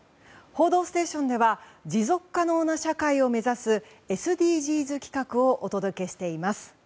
「報道ステーション」では持続可能な社会を目指すＳＤＧｓ企画をお届けしています。